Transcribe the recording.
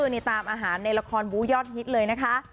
นี่ตามอาหารในละครบูยอดฮิตเลยนะคะ